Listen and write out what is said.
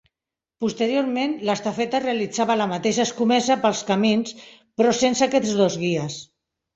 Posteriorment, l'estafeta realitzava la mateixa escomesa pels camins però sense aquests dos guies.